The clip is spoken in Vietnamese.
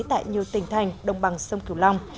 tại nhiều tỉnh thành đồng bằng sông kiều long